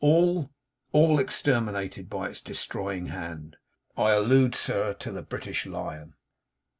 All, all, exterminated by its destroying hand. '"I allude, sir, to the British Lion.